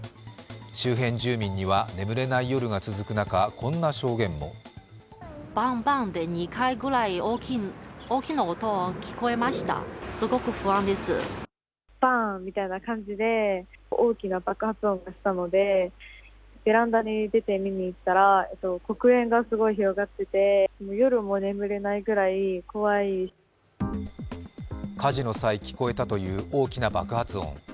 周辺住民には眠れない夜が続く中、こんな証言も火事の際、聞こえたという大きな爆発音。